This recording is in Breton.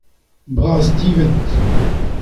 Bras-divent.